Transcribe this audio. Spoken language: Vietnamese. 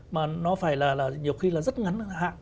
mà nó phải là nhiều khi là rất ngắn hạn